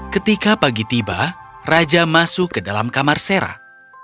ketika pagi tiba raja masuk ke dalam kamar serah